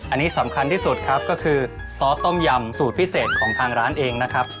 อันนี้สำคัญที่สุดครับก็คือซอสต้มยำสูตรพิเศษของทางร้านเองนะครับ